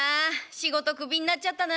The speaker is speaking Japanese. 仕事クビになっちゃったな。